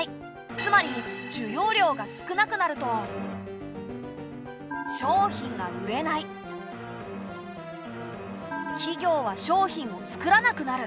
つまり需要量が少なくなると企業は商品を作らなくなる。